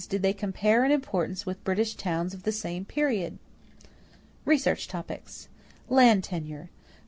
Did they compare in importance with British towns of the same period? =Research Topics= =Land Tenure.